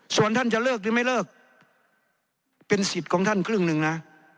ส่วนท่านจะเลิกหรือไม่เลิกเป็นสิทธิ์ของท่านครึ่งหนึ่งนะ